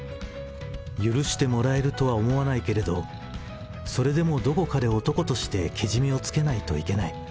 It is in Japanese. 許してもらえるとは思わないけれど、それでもどこかで男としてけじめをつけないといけない。